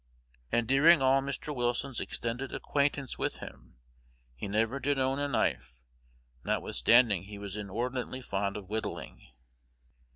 And during all Mr. Wilson's extended acquaintance with him he never did own a knife, notwithstanding he was inordinately fond of whittling.